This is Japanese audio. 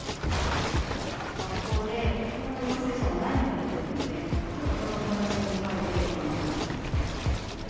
学校でコロナ陽性者が何人か出ているので、ちょっと子どもが心配で受けに来ました。